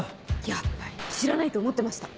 やっぱり知らないと思ってました。